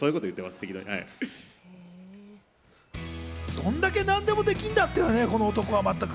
どんだけ何でもできんだってね、この男は全く。